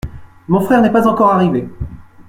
Mon frère n’est pas encore arrivé.